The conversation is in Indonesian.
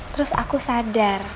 terus aku sadar